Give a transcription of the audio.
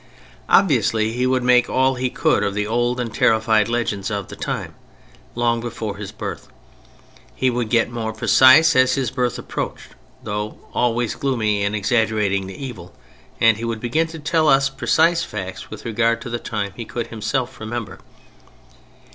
Obviously he would make all he could of the old and terrified legends of the time long before his birth, he would get more precise as his birth approached (though always gloomy and exaggerating the evil), and he would begin to tell us precise facts with regard to the time he could himself remember.